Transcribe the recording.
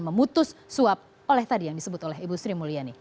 memutus suap oleh tadi yang disebut oleh ibu sri mulyani